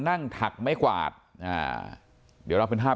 นั่งถักไม้กวาด